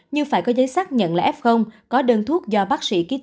nhưng phải có giấy xác nhận là f có đơn thuốc do bác sĩ ký tên